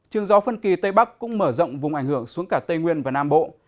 trường gió phân kỳ tây bắc cũng mở rộng vùng ảnh hưởng xuống cả tây nguyên và nam bộ